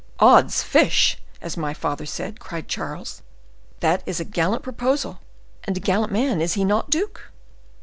"Odds fish! as my father said," cried Charles. "That is a gallant proposal, and a gallant man, is he not, duke?"